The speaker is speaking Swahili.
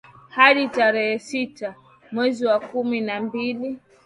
hadi tarehe sita mwezi wa kumi na mbili